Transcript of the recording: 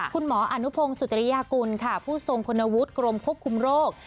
คุณหมออนุพงศ์สุจริยากุลค่ะผู้ทรงคุณวุฒิกรมควบคุมโรค